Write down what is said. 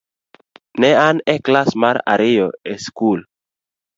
Ne an e klas mar ariyo e skul.